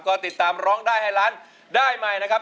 ก็ติดตามร้องได้ให้ล้านได้ใหม่นะครับ